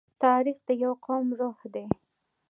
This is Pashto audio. تاریخ د یوه قوم روح دی.